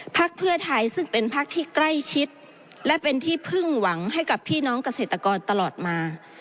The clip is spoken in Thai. พักเพื่อไทยซึ่งเป็นพักที่ใกล้ชิดและเป็นที่พึ่งหวังให้กับพี่น้องเกษตรกรตลอดมา